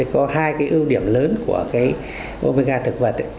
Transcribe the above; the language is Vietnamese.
có hai ưu điểm lớn của omega thực vật